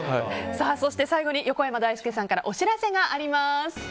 最後に、横山だいすけさんからお知らせがあります。